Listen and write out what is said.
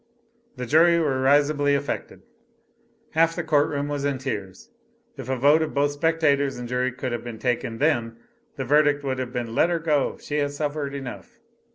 The jury were visibly affected. Half the court room was in tears. If a vote of both spectators and jury could have been taken then, the verdict would have been, "let her go, she has suffered enough."